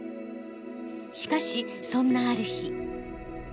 しかしそんなある日。